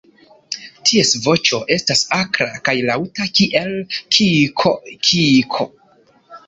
Ties voĉo estas akra kaj laŭta, kiel kiik-kiik!!